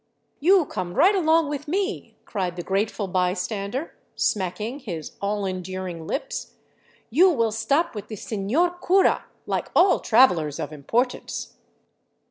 " You come right along with me," cried the grateful bystander, smacking his all enduring lips. " You will stop with the senor cura, like all travelers of importance."